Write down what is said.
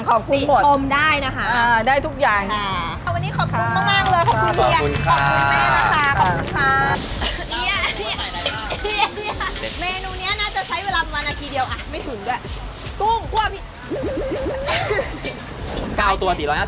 แล้วมันตัวเล็กกว่าที่ร้านนะ